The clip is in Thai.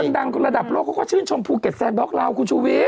ดังระดับโลกเขาก็ชื่นชมภูเก็ตแซนบล็อกลาวคุณชูวิทย